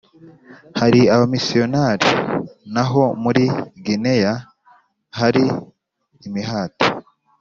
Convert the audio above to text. hari abamisiyonari naho muri Gineya hari Imihati